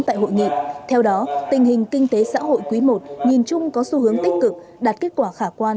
tại hội nghị theo đó tình hình kinh tế xã hội quý i nhìn chung có xu hướng tích cực đạt kết quả khả quan